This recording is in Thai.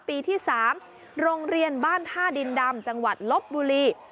ปีที่๓โรงเรียนบ้านท่าดินดำจังหวัดลบบุรี